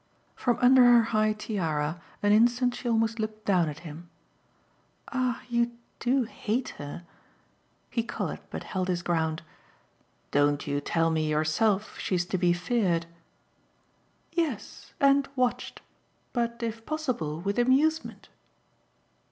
From under her high tiara an instant she almost looked down at him. "Ah you do hate her!" He coloured, but held his ground. "Don't you tell me yourself she's to be feared?" "Yes, and watched. But if possible with amusement."